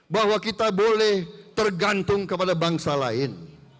bahwa kita boleh tergantung kepada bangsa lain